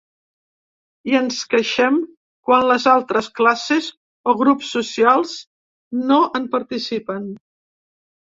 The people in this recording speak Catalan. I ens queixem quan les altres “classes” o grups socials no en participen.